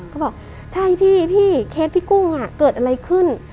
ก็บอกใช่พี่เคสพี่กุ้งเกิดอะไรขึ้น